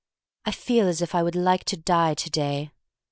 I feel as if I would like to die to day.